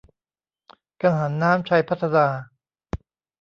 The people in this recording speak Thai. กังหันน้ำชัยพัฒนา